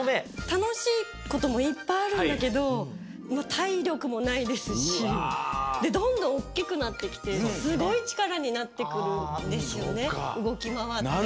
たのしいこともいっぱいあるんだけどもうたいりょくもないですしでどんどんおっきくなってきてすごいちからになってくるんですよねうごきまわって。